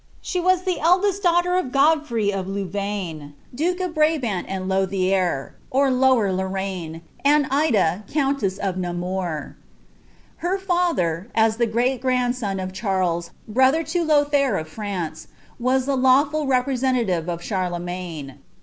She wu ihe dtiest daughter of Godfrey of Louv&ine, duka of Brabant adiI Lotfaeir (or Lower Lorraine), and Ida, countess of Namur.* Her fiilher, as ihe gnat grandson of Charles, brother to Lolliaire of Prance, was ib6 bwAil repmeniaiive of Charlemagne.